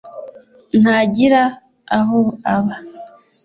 ntagira aho aba